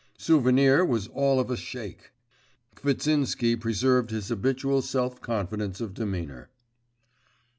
Souvenir was all of a shake. Kvitsinsky preserved his habitual self confidence of demeanour.